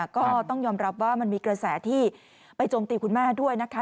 ก็ต้องยอมรับว่ามันมีกระแสที่ไปโจมตีคุณแม่ด้วยนะคะ